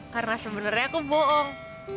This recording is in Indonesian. karena sebenernya aku bohong